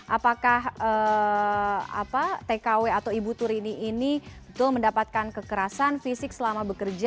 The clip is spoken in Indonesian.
apakah tkw atau ibu turini ini betul mendapatkan kekerasan fisik selama bekerja